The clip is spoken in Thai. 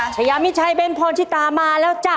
ชายามิชัยเบ้นพรชิตามาแล้วจ้ะ